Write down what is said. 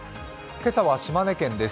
今朝は島根県です。